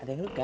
ada yang luka